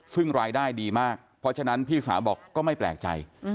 ซึ่งรายได้ดีมากเพราะฉะนั้นพี่สาวบอกก็ไม่แปลกใจ